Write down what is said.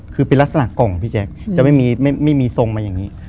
คือเป็นลักษณะกล่องพี่แจ๊คจะไม่มีทรงมาอย่างนี้